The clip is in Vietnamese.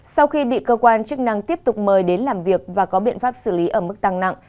sau khi bị cơ quan chức năng tiếp tục mời đến làm việc và có biện pháp xử lý ở mức tăng nặng